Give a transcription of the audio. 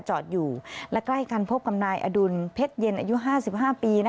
จอดอยู่และใกล้กันพบกับนายอดุลเพชรเย็นอายุ๕๕ปี